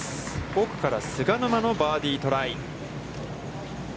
奥から菅沼のバーディートライ。